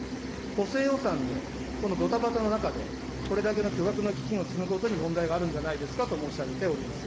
補正予算で、このどたばたの中で、これだけの巨額の基金を積むことに問題があるんじゃないですかと申し上げております。